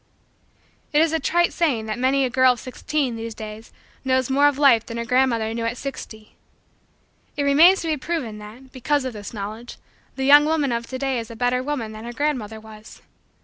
It is a trite saying that many a girl of sixteen, these days, knows more of life than her grandmother knew at sixty. It remains to be proven that, because of this knowledge, the young woman of to day is a better woman than her grandmother was.